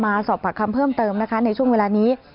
สอบปากคำเพิ่มเติมนะคะในช่วงเวลานี้